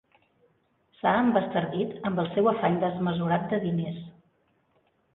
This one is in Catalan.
S'ha embastardit amb el seu afany desmesurat de diners.